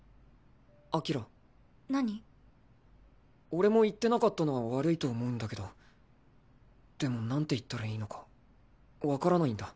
俺も言ってなかったのは悪いと思うんだけどでも何て言ったらいいのか分からないんだ。